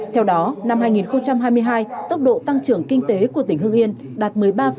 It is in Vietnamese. theo đó năm hai nghìn hai mươi hai tốc độ tăng trưởng kinh tế của tỉnh hương yên đạt một mươi ba